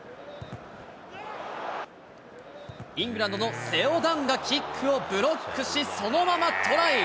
イングランドのセオ・ダンがキックをブロックし、そのままトライ。